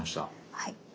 はい。